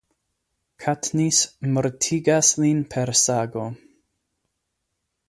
Katniss mortigas lin per sago.